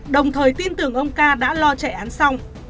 đồng thời tin tưởng ông ca đã lo chạy án xong